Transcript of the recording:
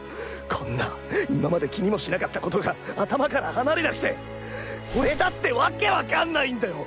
こんな今まで気にもしなかったことが頭から離れなくて俺だって訳わかんないんだよ！